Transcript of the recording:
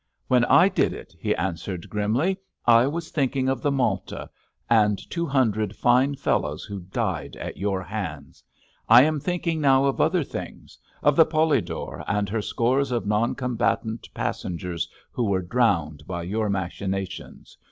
"When I did it," he answered, grimly, "I was thinking of the Malta, and two hundred fine fellows who died at your hands. I am thinking now of other things—of the Polidor and her scores of non combatant passengers who were drowned by your machinations....